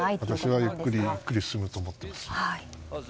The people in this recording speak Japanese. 私はゆっくりゆっくり進むと思っています。